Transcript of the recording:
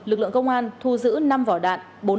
lực lượng công an thu giữ năm vỏ đạn